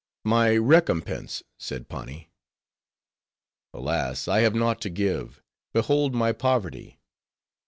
"My recompense," said Pani. "Alas! I have naught to give. Behold my poverty."